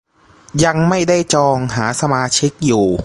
ยังไม่ได้จอง หาสมาชิกอยู่